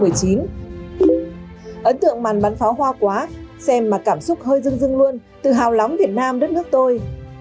ấn tượng màn bắn pháo hoa quá xem mà cảm xúc hơi rưng dưng luôn tự hào lóng việt nam đất nước tôi